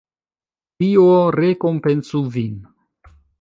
Dio rekompencu vin!